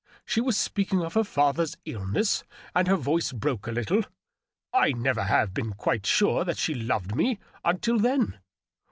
She was speaking of her Other's illness, and her voice broke a little. I never have b^n quite sure that she loved me until then.